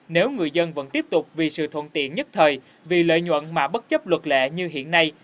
nếu người dân vẫn tiếp tục vì sự thuận tiện nhất thời vì lợi nhuận mà bất chấp luật lệ như hiện nay